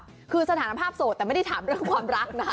อย่างแรกเลยก็คือการทำบุญเกี่ยวกับเรื่องของพวกการเงินโชคลาภ